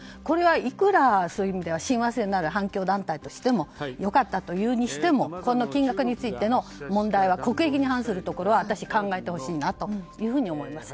いくら親和性のある反共団体としても良かったというようにしてもこの金額についての問題は国益に反するところは私、考えてほしいなと思います。